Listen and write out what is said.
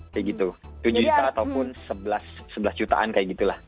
kayak gitu tujuh juta ataupun sebelas jutaan kayak gitu lah